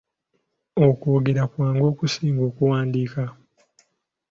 Okwogera kwangu okusinga okuwandiika.